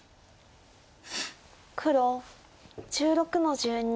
黒１６の十二。